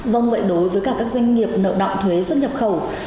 vâng vậy đối với cả các doanh nghiệp nợ động thuế xuất nhập khẩu